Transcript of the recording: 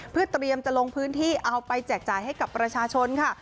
เพื่อเตรียมจะลงพื้นที่เอาไปแจกจ่ายให้กับประชาชนค่ะ